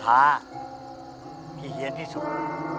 ท้าที่เห็นที่สุด